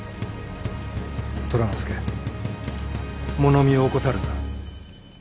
虎之助物見を怠るな。